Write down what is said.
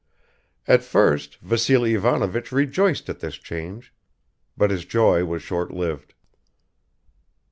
At first Vassily Ivanovich rejoiced at this change, but his joy was short lived.